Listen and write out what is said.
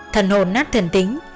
thần hồn nát thần tính